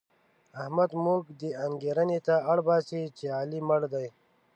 احمد موږ دې انګېرنې ته اړباسي چې علي مړ دی.